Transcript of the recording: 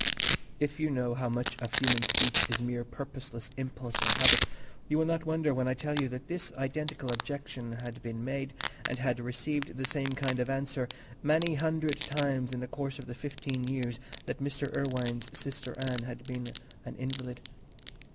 If you know how much of human speech is mere purposeless impulse or habit, you will not wonder when I tell you that this identical objection had been made, and had received the same kind of answer, many hundred times in the course of the fifteen years that Mr. Irwine's sister Anne had been an invalid.